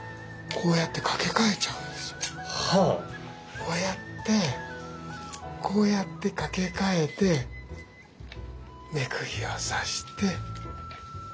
こうやってこうやって掛け替えて目釘を刺してこれで歩く。